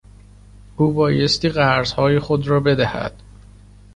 او بایستی قرضهای خود را بدهد.